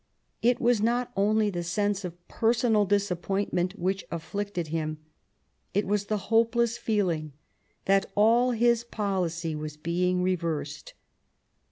It was not only the sense of personal disappointment which afflicted him ; it was the hopeless feeling that all his policy was being reversed.